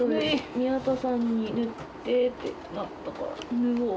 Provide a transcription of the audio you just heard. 宮田さんに縫ってってなったから縫おうと思って。